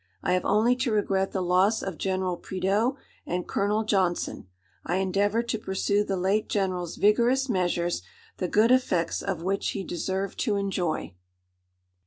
I have only to regret the loss of General Prideaux and Colonel Johnson; I endeavoured to pursue the late General's vigorous measures, the good effects of which he deserved to enjoy."